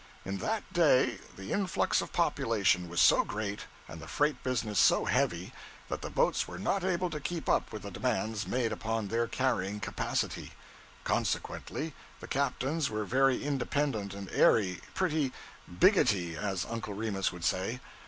In that day the influx of population was so great, and the freight business so heavy, that the boats were not able to keep up with the demands made upon their carrying capacity; consequently the captains were very independent and airy pretty 'biggity,' as Uncle Remus would say.